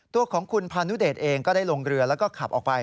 ตัวของคุณพานุเดชเองก็ได้ลงเรือแล้วก็ขับออกไป